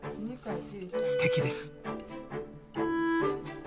すてきです。